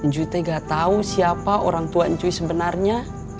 cuy gak tau siapa orang tua cuy sebenarnya